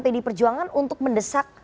pedi perjuangan untuk mendesak